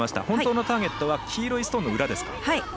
本当のターゲットは黄色いストーンの裏ですか？